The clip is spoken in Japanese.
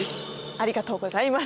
ありがとうございます。